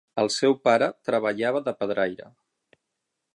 El seu pare treballava de pedraire.